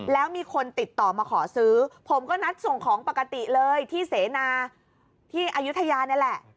แล้วมีคนติดต่อมาขอซื้อผมก็นัดส่งของปกติเลยที่เสนาที่อายุทยานี่แหละ